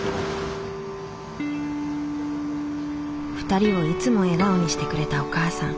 ２人をいつも笑顔にしてくれたお母さん。